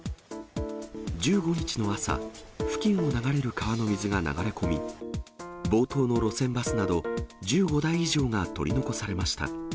１５日の朝、付近を流れる川の水が流れ込み、冒頭の路線バスなど、１５台以上が取り残されました。